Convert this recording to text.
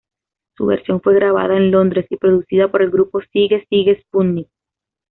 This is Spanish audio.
Su versión fue grabada en Londres, y producida por el grupo Sigue Sigue Sputnik.